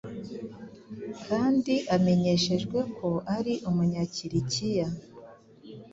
kandi amenyeshejwe ko ari Umunyakirikiya,